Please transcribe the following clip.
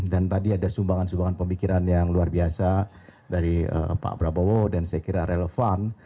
dan tadi ada sumbangan sumbangan pemikiran yang luar biasa dari pak prabowo dan saya kira relevan